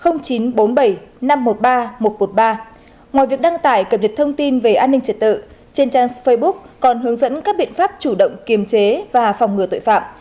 ngoài việc đăng tải cập nhật thông tin về an ninh trật tự trên trang facebook còn hướng dẫn các biện pháp chủ động kiềm chế và phòng ngừa tội phạm